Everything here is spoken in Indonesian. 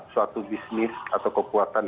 suatu bisnis atau kekuatan